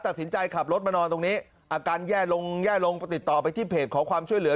ขับรถมานอนตรงนี้อาการแย่ลงแย่ลงติดต่อไปที่เพจขอความช่วยเหลือ